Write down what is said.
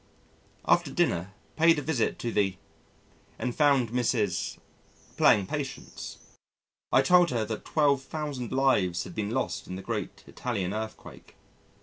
After dinner, paid a visit to the and found Mrs. playing Patience. I told her that 12,000 lives had been lost in the great Italian earthquake.